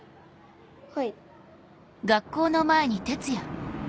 はい。